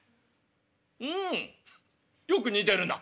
「うんよく似てるな」。